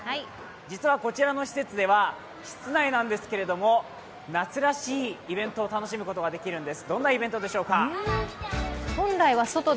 実はこちらの施設では、室内なんですけれども、夏らしいイベントを楽颯という名の爽快緑茶！